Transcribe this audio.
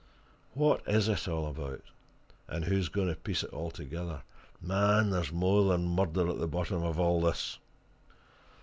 What is it all about and who's going to piece it all together? Man! there's more than murder at the bottom of all this!"